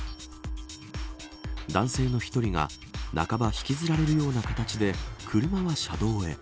男性の１人がなかば引きずられるような形で車は車道へ。